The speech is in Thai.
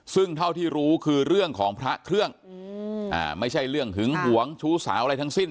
ซึ่งเท่าที่รู้คือเรื่องของพระเครื่องไม่ใช่เรื่องหึงหวงชู้สาวอะไรทั้งสิ้น